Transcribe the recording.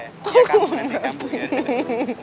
iya kambuh nanti kambuh ya